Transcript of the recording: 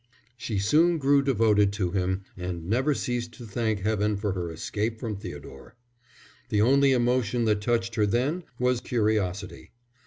She soon grew devoted to him and never ceased to thank Heaven for her escape from Theodore. The only emotion that touched her then was curiosity.